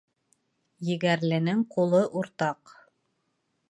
Егәрленең ҡулы уртаҡ.